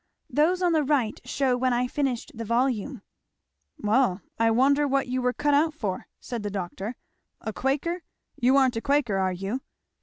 "Those on the right shew when I finished the volume." "Well I wonder what you were cut out for?" said the doctor. "A Quaker! you aren't a Quaker, are you?"